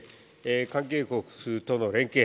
関係国との連携。